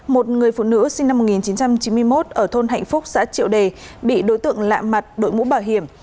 một người phụ nữ sinh năm một nghìn chín trăm chín mươi một ở thôn hạnh phúc xã triệu đề bị đối tượng lạ mặt đội mũ bảo hiểm